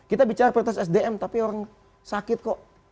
kita bicara prioritas sdm tapi orang sakit kok